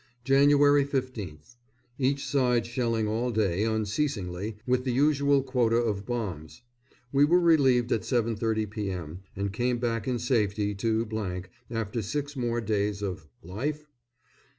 Jan. 15th. Each side shelling all day unceasingly, with the usual quota of bombs. We were relieved at 7.30 p.m., and came back in safety to , after six more days of LIFE?